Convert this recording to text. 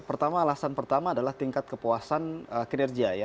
pertama alasan pertama adalah tingkat kepuasan kinerja ya